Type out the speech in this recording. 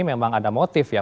memang ada motif ya